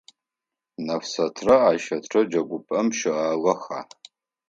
Нэфсэтрэ Айщэтрэ джэгупӏэм щыӏагъэха?